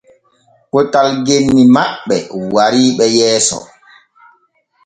Potal genni maɓɓe wariɓe yeeso.